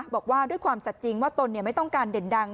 บอกว่าด้วยความสัดจริงว่าตนไม่ต้องการเด่นดัง